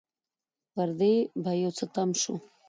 پر دې به يو څه تم شو.